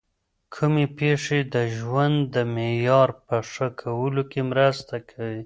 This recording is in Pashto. کومې پېښې د ژوند د معیار په ښه کولو کي مرسته کوي؟